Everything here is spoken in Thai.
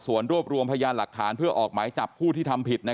ส่วนรวบรวมพยานหลักฐานเพื่อออกหมายจับผู้ที่ทำผิด